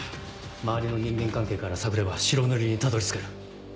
周りの人間関係から探れば白塗りにたどり着ける。